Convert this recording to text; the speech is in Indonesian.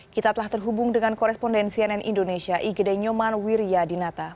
kita telah terhubung dengan korespondensi ann indonesia igede nyoman wirya dinata